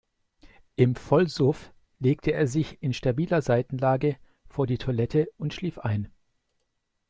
Im Vollsuff legte er sich in stabiler Seitenlage vor die Toilette und schlief ein.